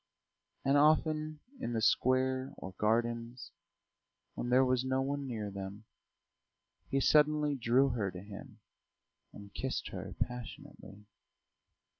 And often in the square or gardens, when there was no one near them, he suddenly drew her to him and kissed her passionately.